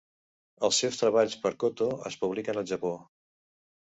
Els seus treballs per koto es publiquen al Japó.